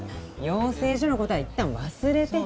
養成所の事はいったん忘れて。